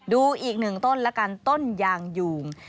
ดูอีกหนึ่งต้นละกันต้นยางยูง